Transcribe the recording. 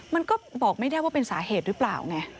มันก็บอกไม่ได้ว่าเป็นสาเหตุหรือเปล่าไง